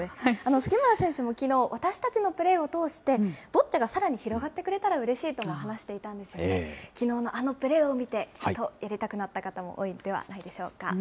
杉村選手もきのう、私たちのプレーを通して、ボッチャがさらに広がってくれたらうれしいとも話していたんですけど、きのうのあのプレーを見て、きっとやりたくなった方も多いのではないでしょうか。